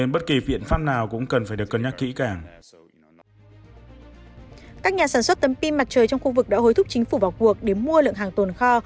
các nhà sản xuất tấm pin mặt trời trong khu vực đã hối thúc chính phủ vào cuộc để mua lượng hàng tồn kho